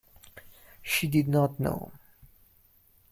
She did not know.